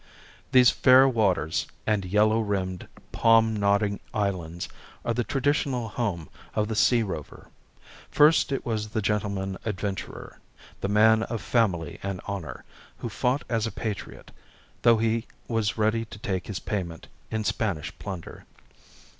These fair waters and yellow rimmed, palm nodding islands are the traditional home of the sea rover. First it was the gentleman adventurer, the man of family and honour, who fought as a patriot, though he was ready to take his payment in Spanish plunder.